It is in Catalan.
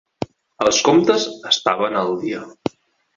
Els comptes estaven al dia.